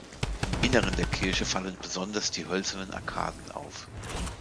Im Inneren der Kirche fallen besonders die hölzernen Arkaden auf.